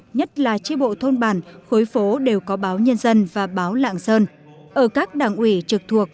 nhất là tri bộ thôn bàn khối phố đều có báo nhân dân và báo lạng sơn ở các đảng ủy trực thuộc